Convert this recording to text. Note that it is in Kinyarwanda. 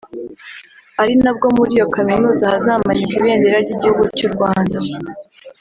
ari nabwo muri iyo kaminuza hazamanikwa ibendera ry’igihugu cy'u Rwanda